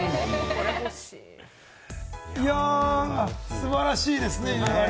素晴らしいですね。